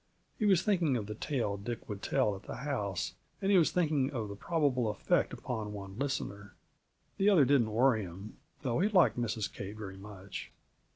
He was thinking of the tale Dick would tell at the house, and he was thinking of the probable effect upon one listener; the other didn't worry him, though he liked Mrs. Kate very much.